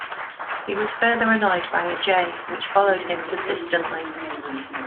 He was further annoyed by a jay, which followed him persistently.